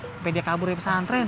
sampai dia kabur dari pesantren